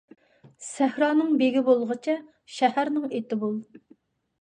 سەھرانىڭ بېگى بولغىچە، شەھەرنىڭ ئىتى بول.